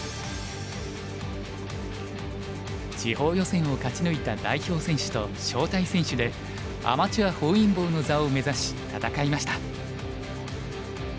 地方予選を勝ち抜いた代表選手と招待選手でアマチュア本因坊の座を目指し戦いました。